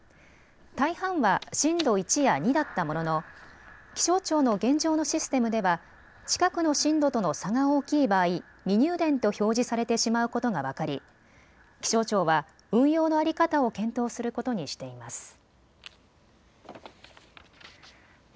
大半は震度１や２だったものの気象庁の現状のシステムでは近くの震度との差が大きい場合、未入電と表示されてしまうことが分かり気象庁は運用の在り方を検討することにしています。